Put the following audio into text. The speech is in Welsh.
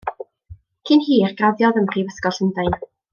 Cyn hir, graddiodd ym Mhrifysgol Llundain.